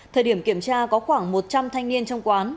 thời điểm kiểm tra có khoảng một trăm linh thanh niên trong quán